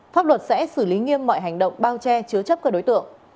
pháp luật sẽ xử lý nghiêm mọi hành động bao che chứa chấp các đối tượng